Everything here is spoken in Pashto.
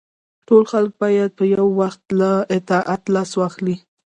ټول خلک باید په یو وخت له اطاعت لاس واخلي.